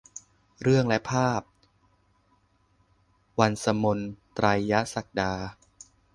เรื่องและภาพ : วรรษมน ไตรยศักดา